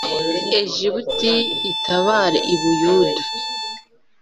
Egiputa itabara u Buyuda